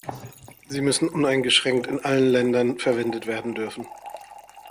Sie müssen uneingeschränkt in allen Ländern verwendet werden dürfen.